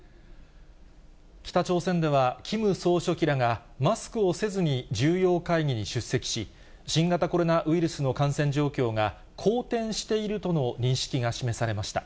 北朝鮮では、キム総書記らが、マスクをせずに、重要会議に出席し、新型コロナウイルスの感染状況が、好転しているとの認識が示されました。